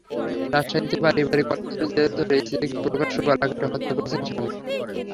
রাজশাহীতে পারিবারিক কলহের জের ধরে স্ত্রীকে প্রকাশ্যে গলা কেটে হত্যা করেছেন স্বামী।